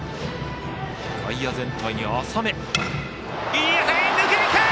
いい当たり、抜けていく！